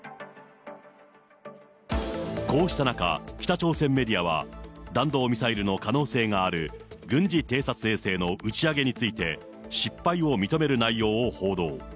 こうした中、北朝鮮メディアは、弾道ミサイルの可能性がある軍事偵察衛星の打ち上げについて、失敗を認める内容を報道。